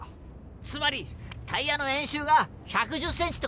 つまりタイヤの円周が１１０ｃｍって事だろう！